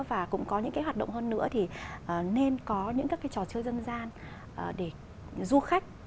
và cũng có những cái hoạt động hơn nữa thì nên có những các cái trò chơi dân gian để du khách